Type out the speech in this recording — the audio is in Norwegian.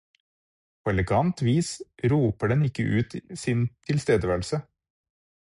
På elegant vis roper den ikke ut sin tilstedeværelse.